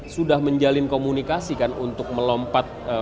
sudah menjalin komunikasi kan untuk melompat